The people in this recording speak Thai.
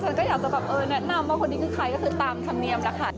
ฉันก็อยากจะแบบแนะนำว่าคนนี้คือใครก็คือตามคำเนียมนะคะ